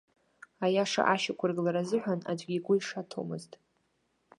Аиаша ашьақәыргылара азыҳәан, аӡәгьы игәы ишаҭомызт.